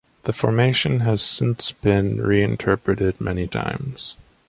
The formation has since been re-interpreted many times.